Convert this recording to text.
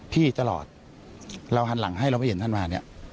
พี่ตลอดเราหันหลังให้เราไปเห็นท่านมาเนี่ย